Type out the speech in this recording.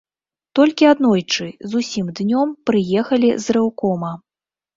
Толькі аднойчы, зусім днём, прыехалі з рэўкома.